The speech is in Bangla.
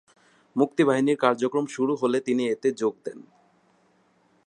মুক্তিবাহিনীর কার্যক্রম শুরু হলে তিনি এতে যোগ দেন।